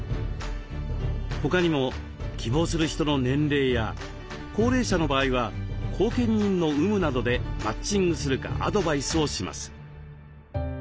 他にも希望する人の年齢や高齢者の場合は後見人の有無などでマッチングするかアドバイスをします。